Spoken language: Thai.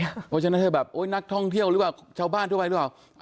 เพราะฉะนั้นเธอแบบโอ๊ยนักท่องเที่ยวหรือเปล่าชาวบ้านทั่วไปหรือเปล่า